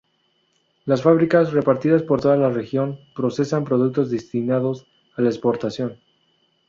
Las fábricas, repartidas por toda la región, procesan productos destinados a la exportación.